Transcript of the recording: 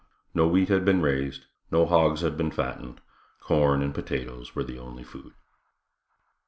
No wheat had been raised, no hogs had been fattened; corn and potatoes were the only food.